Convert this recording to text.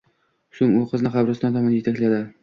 Soʻng u qizni qabriston tomon yetakladi.